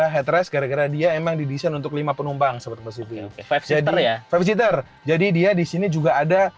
headrest gara gara dia emang didesain untuk lima penumpang seperti itu jadi dia disini juga ada